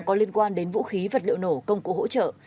có liên quan đến vũ khí vật liệu nổ công cụ hỗ trợ